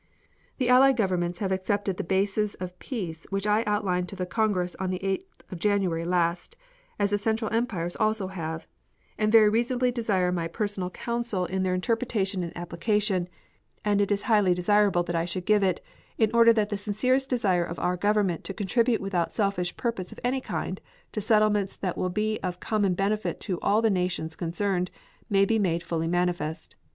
"The Allied governments have accepted the bases of peace which I outlined to the Congress on the 8th of January last, as the Central Empires also have, and very reasonably desire my personal counsel in their interpretation and application, and it is highly desirable that I should give it, in order that the sincere desire of our government to contribute without selfish purpose of any kind to settlements that will be of common benefit to all the nations concerned may be made fully manifest.